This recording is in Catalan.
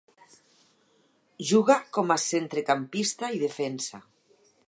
Juga com a centrecampista i defensa.